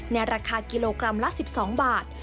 ในราคากิโลกรัมละ๑๒บาท